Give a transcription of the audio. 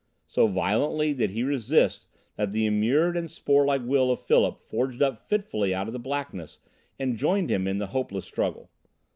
So violently did he resist that the immured and sporelike will of Philip forged up fitfully out of the blackness and joined his in the hopeless struggle.